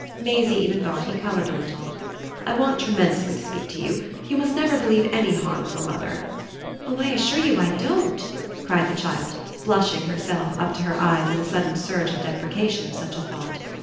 Maisie even thought he coloured a little. "I want tremendously to speak to you. You must never believe any harm of your mother." "Oh I assure you I DON'T!" cried the child, blushing, herself, up to her eyes in a sudden surge of deprecation of such a thought.